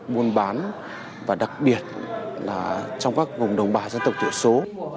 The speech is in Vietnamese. buôn bán và đặc biệt là trong các vùng đồng bà dân tộc tiểu số